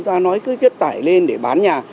ta nói cứ chất tải lên để bán nhà